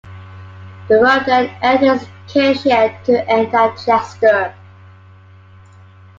The road then enters Cheshire to end at Chester.